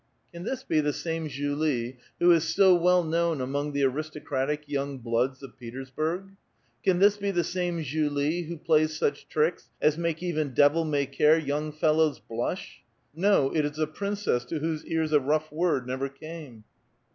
Can this be tlie same Julie who is so well known among the aristocratic young bloods of Petersburg? Can this be the same Julie who plays such tricks as make even devil may ■ care young fellows l)lush ? No, it is a princess to whose ears a rough word never came